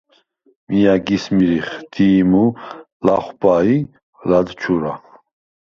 მი ა̈გის მირიხ: დი̄ჲმუ, ლახვბა ი ლადჩურა.